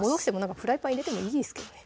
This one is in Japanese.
フライパン入れてもいいですけどね